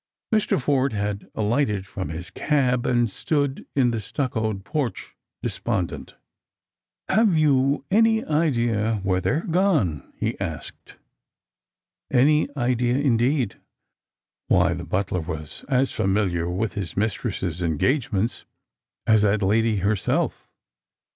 Mr. Forde had alighted from his cab, and stood in the stnocoed porch despondent. " Have you any idea where they're gone?" he asked. Any idea indeed! Why, the butler was as familiar with his mistress's engagements as that lady herself.